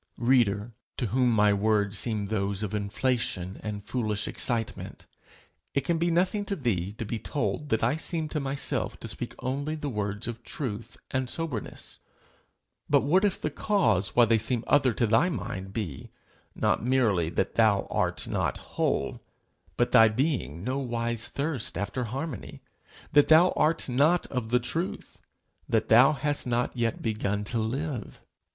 Reader to whom my words seem those of inflation and foolish excitement, it can be nothing to thee to be told that I seem to myself to speak only the words of truth and soberness; but what if the cause why they seem other to thy mind be not merely that thou art not whole, but that thy being nowise thirsts after harmony, that thou art not of the truth, that thou hast not yet begun to live?